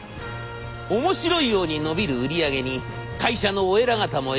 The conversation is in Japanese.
面白いように伸びる売り上げに会社のお偉方もえびす顔。